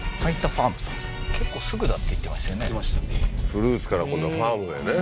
フルーツから今度はファームへね